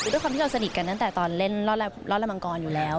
คือด้วยความที่เราสนิทกันตั้งแต่ตอนเล่นรอดละมังกรอยู่แล้ว